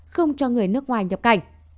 không cho người nước ngoài nhập cảnh